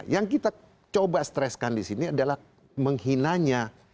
yang kita coba streskan disini adalah menghinanya